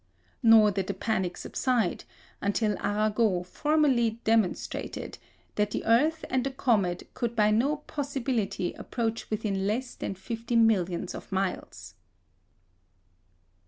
Nor did the panic subside until Arago formally demonstrated that the earth and the comet could by no possibility approach within less than fifty millions of miles.